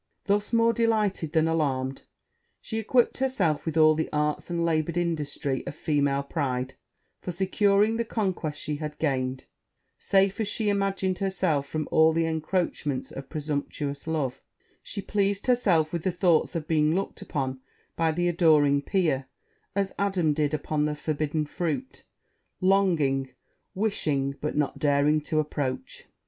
Thus, more delighted than alarmed, she equipped herself with all the arts and laboured industry of female pride, for securing the conquest she had gained: safe as she imagined herself from all the encroachments of presumptuous love, she pleased herself with the thoughts of being looked upon by the adoring peer as Adam did upon the forbidden fruit longing, wishing, but not daring to approach.